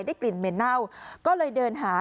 กลิ่นเหม็นเน่าก็เลยเดินหา